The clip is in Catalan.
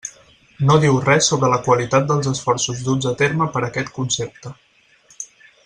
No diu res sobre la qualitat dels esforços duts a terme per aquest concepte.